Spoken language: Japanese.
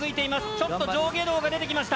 ちょっと上下動が出てきました。